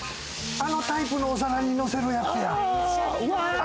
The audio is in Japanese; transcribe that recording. あのタイプのお皿に乗せるやつや。